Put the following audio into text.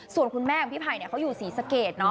ส่วนคุณแม่ของพี่ไผ่เขาอยู่ศรีสะเกด